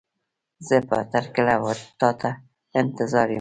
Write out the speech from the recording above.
زه به تر کله و تا ته انتظار يم.